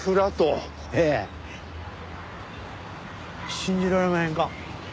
信じられまへんか？